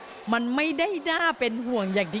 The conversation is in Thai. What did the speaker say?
จริงแล้วไม่น่าเป็นห่วงเลยค่ะพ่อ